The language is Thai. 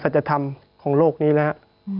สัจธรรมของโลกนี้แล้ว